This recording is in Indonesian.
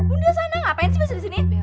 udah sana ngapain sih lo disini